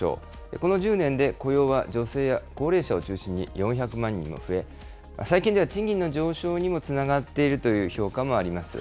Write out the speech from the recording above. この１０年で雇用は女性や高齢者を中心に４００万人も増え、最近では賃金の上昇にもつながっているという評価もあります。